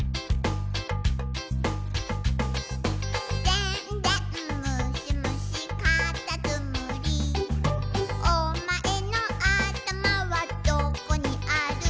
「でんでんむしむしかたつむり」「おまえのあたまはどこにある」